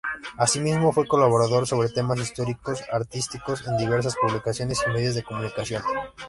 Asimismo, fue colaborador sobre temas histórico-artísticos en diversas publicaciones y medios de comunicación.